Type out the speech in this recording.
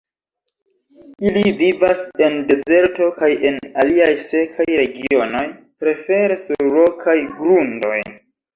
Ili vivas en dezerto kaj en aliaj sekaj regionoj, prefere sur rokaj grundoj.